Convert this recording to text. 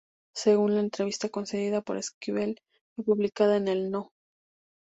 Según la entrevista concedida por Esquivel y publicada en el No.